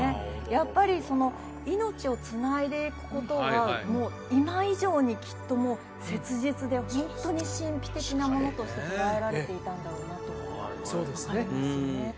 やっぱりその命をつないでいくことが今以上にきっともう切実でホントに神秘的なものとして捉えられていたんだろうなというのが分かりますよね